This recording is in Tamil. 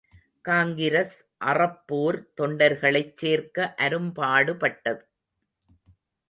காங்கிரஸ் அறப்போர் தொண்டர்களைச் சேர்க்க அரும்பாடுபட்டது.